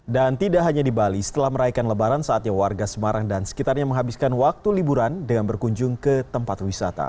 dan tidak hanya di bali setelah meraihkan lebaran saatnya warga semarang dan sekitarnya menghabiskan waktu liburan dengan berkunjung ke tempat wisata